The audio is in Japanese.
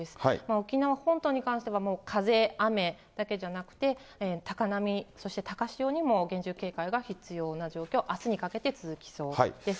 沖縄本島に関してはもう風、雨だけじゃなくて、高波、そして高潮にも厳重警戒が必要な状況、あすにかけて続きそうです。